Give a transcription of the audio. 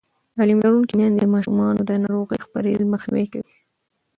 تعلیم لرونکې میندې د ماشومانو د ناروغۍ خپرېدل مخنیوی کوي.